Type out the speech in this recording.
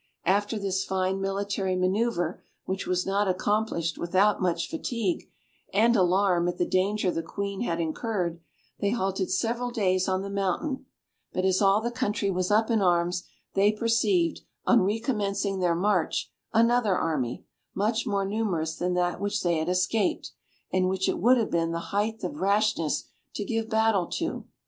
After this fine military manœuvre, which was not accomplished without much fatigue, and alarm at the danger the Queen had incurred, they halted several days on the mountain; but as all the country was up in arms, they perceived, on recommencing their march, another army, much more numerous than that which they had escaped, and which it would have been the height of rashness to give battle to.